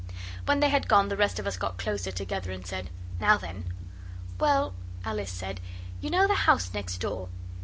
When they had gone, the rest of us got closer together and said 'Now then.' 'Well,' Alice said, 'you know the house next door?